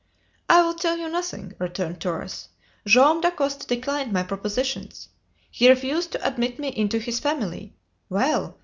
"I will tell you nothing," returned Torres; "Joam Dacosta declined my propositions! He refused to admit me into his family! Well!